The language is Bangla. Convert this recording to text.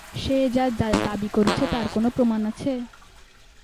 সে যা দাবি করছে তার কোন প্রমাণ আছে?